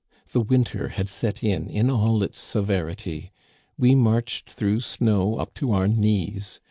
The winter had set in in all its severity. We marched through snow up to our knees.